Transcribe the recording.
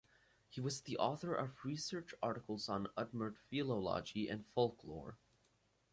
He was the author of research articles on Udmurt Philology and folklore.